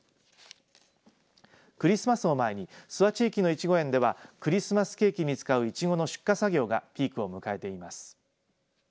クリスマスを前に諏訪地域のいちご園ではクリスマスケーキに使ういちごの出荷作業がピークを迎えています。